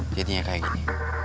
jadinya kayak gini